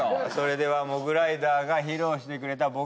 それではモグライダーが披露してくれた